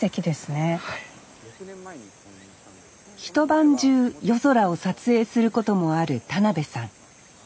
一晩中夜空を撮影することもある田邊さん。